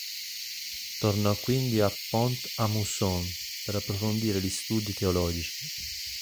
Tornò quindi a Pont-à-Mousson per approfondire gli studi teologici.